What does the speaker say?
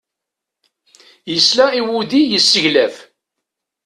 Yesla i uydi yesseglaf.